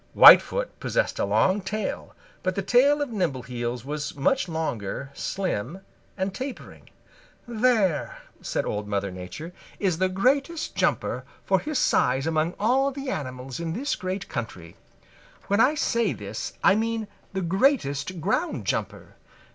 Whitefoot possessed a long tail, but the tail of Nimbleheels was much longer, slim and tapering. "There," said Old Mother Nature, "is the greatest jumper for his size among all the animals in this great country. When I say this, I mean the greatest ground jumper.